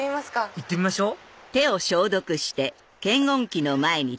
行ってみましょうよし！